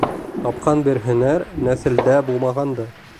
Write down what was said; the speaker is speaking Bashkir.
Тапҡан бер һөнәр, нәҫелдә булмағанды.